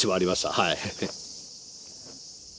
はい。